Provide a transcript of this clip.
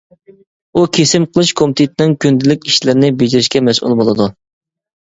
ئۇ كېسىم قىلىش كومىتېتىنىڭ كۈندىلىك ئىشلىرىنى بېجىرىشكە مەسئۇل بولىدۇ.